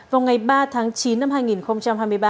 vào ngày ba tháng chín năm hai nghìn hai mươi ba